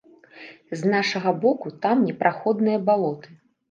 З нашага боку там непраходныя балоты.